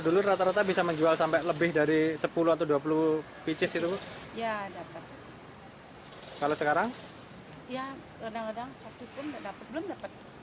dulu rata rata bisa menjual sampai lebih dari sepuluh atau dua puluh pc situ ya dapet kalau sekarang ya